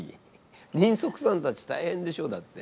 人足さんたち大変でしょうだって。